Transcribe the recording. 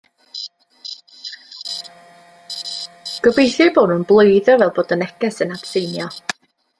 Gobeithio eu bod nhw'n bloeddio fel bod y neges yn atseinio.